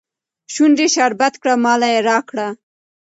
شونډي شربت کړه ماله يې راکړه